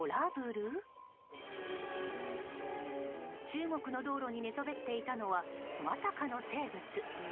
中国の道路に寝そべっていたのはまさかの生物。